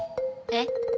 えっ？